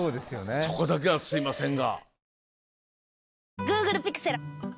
そこだけはすいませんが。